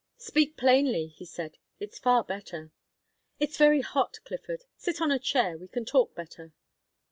"Speak plainly," he said. "It's far better." "It's very hot, Clifford. Sit on a chair; we can talk better."